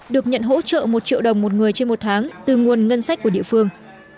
được nhận hỗ trợ một triệu đồng một người trên một tháng từ nguồn ngân sách của địa phương